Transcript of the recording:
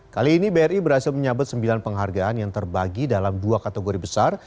kali ini bri berhasil menyabet sembilan penghargaan yang terbagi dalam dua kategori besar